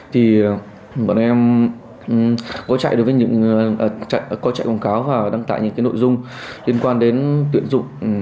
thì bọn em có chạy quảng cáo và đăng tải những nội dung liên quan đến tuyển dụng